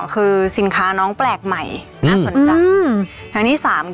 คือสินค้าน้องแปลกใหม่น่าสนใจ